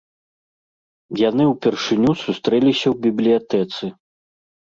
Яны ўпершыню сустрэліся ў бібліятэцы.